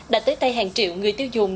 đã tới tay hàng triệu người tiêu dùng